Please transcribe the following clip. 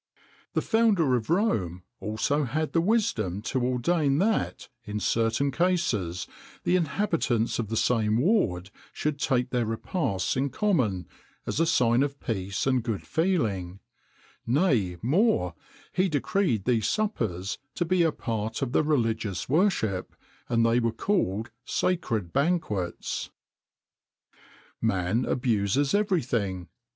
The founder of Rome also had the wisdom to ordain that, in certain cases, the inhabitants of the same ward should take their repasts in common, as a sign of peace and good feeling; nay, more: he decreed these suppers to be a part of the religious worship, and they were called "sacred banquets."[XXIX 86] Man abuses every thing.